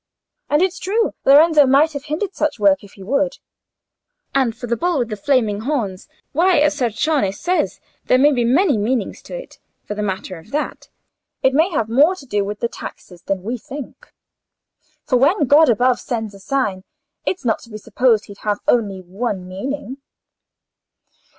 And it's true Lorenzo might have hindered such work if he would—and for the bull with the flaming horns, why, as Ser Cioni says, there may be many meanings to it, for the matter of that; it may have more to do with the taxes than we think. For when God above sends a sign, it's not to be supposed he'd have only one meaning."